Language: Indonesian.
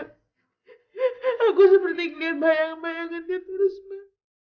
aku nggak mau ke lodi sampai datang lagi sa